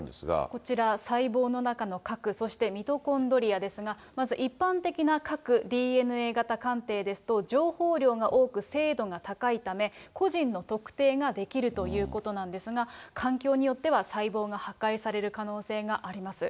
こちら、細胞の中の核、そしてミトコンドリアですが、まず一般的な核ＤＮＡ型鑑定ですと、情報量が多く、精度が高いため、個人の特定ができるということなんですが、環境によっては細胞が破壊される可能性があります。